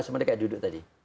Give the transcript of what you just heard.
jadi sama seperti duduk tadi